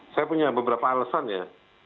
saya punya beberapa alasan ya